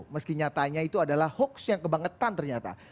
meski nyatanya itu adalah hoax yang kebangetan ternyata